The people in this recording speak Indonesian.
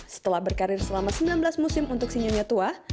setelah berkarir selama sembilan belas musim untuk senyumnya tua